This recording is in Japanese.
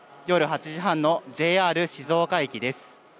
夜８時半のＪＲ静岡駅です。